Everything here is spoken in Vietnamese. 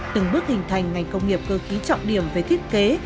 từng bước hình thành ngành công nghiệp cơ khí trọng điểm về thiết kế